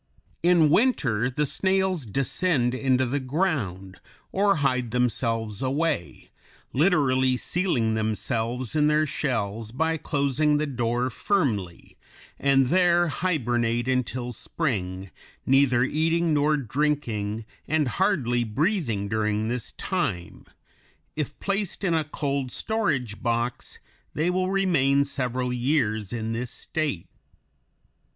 In winter the snails descend into the ground, or hide themselves away, literally sealing themselves in their shells by closing the door firmly, and there hibernate until spring, neither eating nor drinking, and hardly breathing during this time; if placed in a cold storage box, they will remain several years in this state.